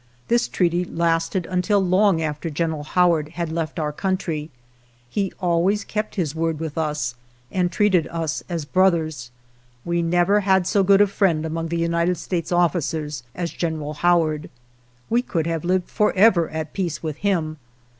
This treaty lasted until long after General How ard had left our country. He always kept his word with us and treated us as brothers. We never had so good a friend among the United States officers as General Howard. We could have lived forever at peace with him.